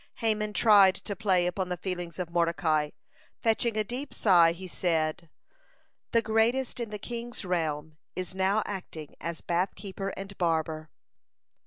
Haman tried to play upon the feelings of Mordecai. Fetching a deep sigh, he said: "The greatest in the king's realm is now acting as bathkeeper and barber!"